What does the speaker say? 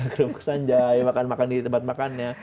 kerupuk sanjai makan makan di tempat makannya